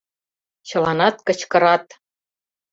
Чыланат кычкырат.